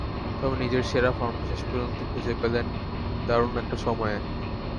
তবে নিজের সেরা ফর্মটা শেষ পর্যন্ত খুঁজে পেলেন দারুণ একটা সময়ে।